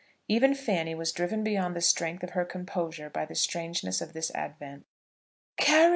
Even Fanny was driven beyond the strength of her composure by the strangeness of this advent. "Carry!